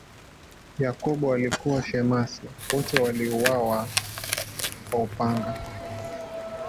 Yakobo alikuwa shemasi, wote waliuawa kwa upanga.